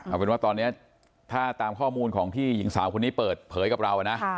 เอาเป็นว่าตอนนี้ถ้าตามข้อมูลของที่หญิงสาวคนนี้เปิดเผยกับเรานะ